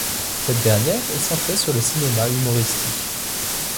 Cette dernière est centrée sur le cinéma humoristique.